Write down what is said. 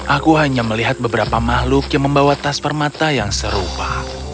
aku hanya melihat beberapa makhluk yang membawa tas permata yang serupa